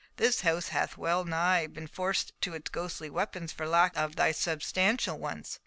This house hath well nigh been forced to its ghostly weapons for lack of thy substantial ones.